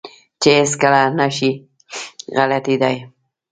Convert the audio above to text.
چې هېڅ کله نه شي غلطېداى.